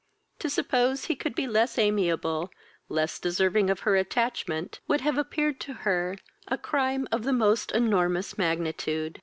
To suppose he could be less amiable, less deserving of her attachment, would have appeared to her a crime of the most enormous magnitude.